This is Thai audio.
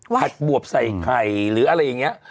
ผัดบวบใส่ไข่หรืออะไรอย่างนี้